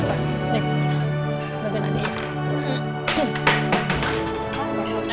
nih bukin adeknya